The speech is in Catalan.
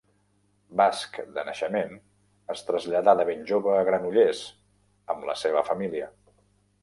Basc de naixement, es traslladà de ben jove a Granollers amb la seva família.